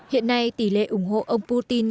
hiện nay tỷ lệ ủng hộ ông putin